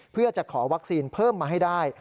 เพื่อจะขอวัคซีนเพิ่มมาให้ได้